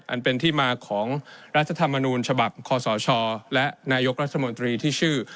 อันเป็นที่มาของรัฐธรรมนูญฉบับคศและนายกรัฐมนตรีที่ชื่อ